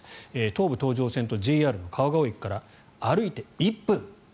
東武東上線とＪＲの川越駅から歩いて１分。